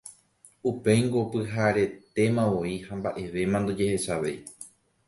Upéingo pyharetémavoi ha mba'evéma ndojehechavéi.